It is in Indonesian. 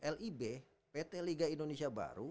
lib pt liga indonesia baru